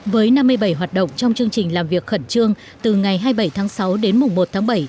với năm mươi bảy hoạt động trong chương trình làm việc khẩn trương từ ngày hai mươi bảy tháng sáu đến mùng một tháng bảy